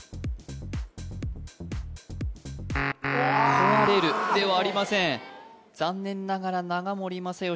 こわれるではありません残念ながら長森正純